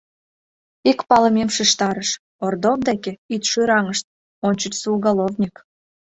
Ик палымем шижтарыш: «Ордов деке ит шӱраҥышт — ончычсо уголовник.